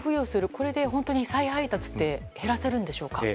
これで、本当に再配達を減らせるんでしょうか。